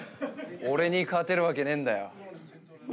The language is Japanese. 俺に勝てるわけねえんだよ。